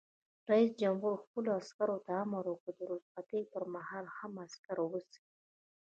رئیس جمهور خپلو عسکرو ته امر وکړ؛ د رخصتۍ پر مهال هم، عسکر اوسئ!